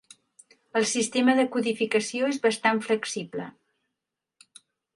El sistema de codificació és bastant flexible.